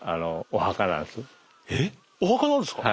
お墓なんですか？